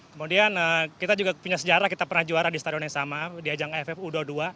kemudian kita juga punya sejarah kita pernah juara di stadion yang sama di ajang aff u dua puluh dua